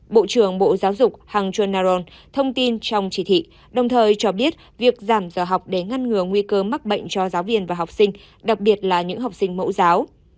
bộ trưởng bộ giáo dục hang joon naron thông tin trong chỉ thị đồng thời cho biết việc giảm giờ học để ngăn ngừa nguy cơ mắc bệnh cho giáo viên và học sinh đặc biệt là những học sinh mẫu giáo